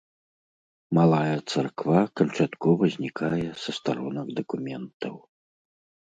Малая царква канчаткова знікае са старонак дакументаў.